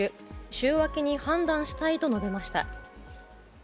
週明けに判断したいと述べました。